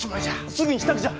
すぐに支度じゃ！